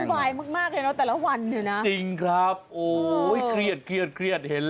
ไม่อยากจะคิดเลยคุณชนะ